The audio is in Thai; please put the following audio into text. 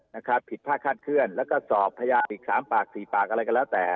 นะครับผิดพลาดคาดเคลื่อนแล้วก็สอบพยานอีกสามปากสี่ปากอะไรก็แล้วแต่